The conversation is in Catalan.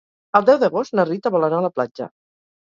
El deu d'agost na Rita vol anar a la platja.